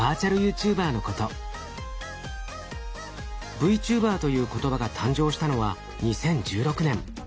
ＶＴｕｂｅｒという言葉が誕生したのは２０１６年。